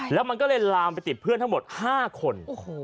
แล้วมันก็เลยลามไปติดเพื่อนทั้งหมด๕คน